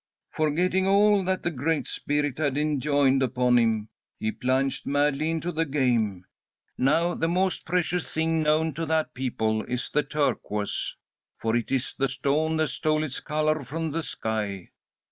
"Forgetting all that the Great Spirit had enjoined upon him, he plunged madly into the game. Now the most precious thing known to that people is the turquoise, for it is the stone that stole its colour from the sky.